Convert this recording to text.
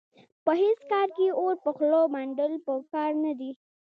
په هېڅ کار کې اور په خوله منډل په کار نه دي.